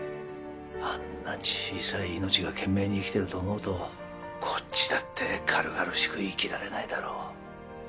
あんな小さい命が懸命に生きてると思うとこっちだって軽々しく生きられないだろう